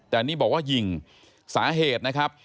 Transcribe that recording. แต่นี่บอกว่ายิงสาเหตุนะครับ